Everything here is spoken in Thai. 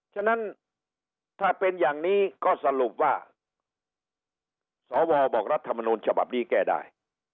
ฉะนั้นถ้าเป็นอย่างนี้ก็สรุปว่าสวบอกรัฐมนูลฉบับนี้แก้ได้